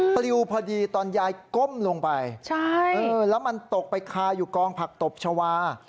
ปลิวพอดีตอนยายก้มลงไปแล้วมันตกไปคาอยู่กองผักตบชาวา